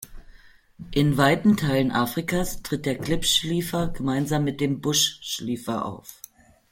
In weiten Teilen Afrikas tritt der Klippschliefer gemeinsam mit dem Buschschliefer auf.